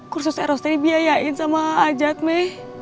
kursusnya ros biayain sama ajat me